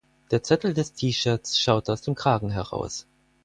Der Zettel des T-Shirts schaute aus dem Kragen heraus.